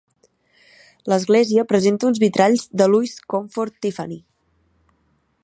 L'església presenta uns vitralls de Louis Comfort Tiffany.